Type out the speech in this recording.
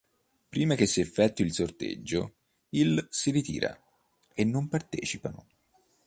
Prima che si effettui il sorteggio il si ritira; e non partecipano.